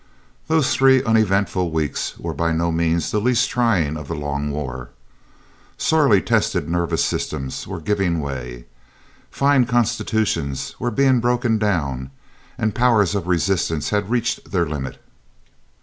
Those three uneventful weeks were by no means the least trying of the long war. Sorely tested nervous systems were giving way, fine constitutions were being broken down, and powers of resistance had reached their limit.